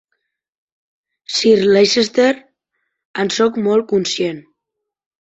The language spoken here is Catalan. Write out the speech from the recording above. Sir Leicester, en sóc molt conscient.